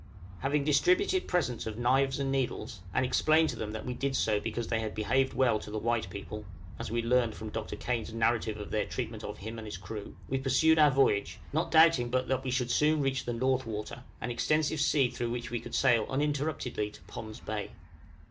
Having distributed presents of knives and needles, and explained to them that we did so because they had behaved well to the white people, (as we learned from Dr. Kane's narrative of their treatment of him and his crew), we pursued our voyage, not doubting but that we should soon reach the North Water, an extensive sea through which we could sail uninterruptedly to Pond's Bay.